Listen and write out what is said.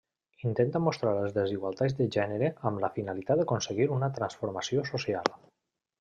Intenta mostrar les desigualtats de gènere amb la finalitat d'aconseguir una transformació social.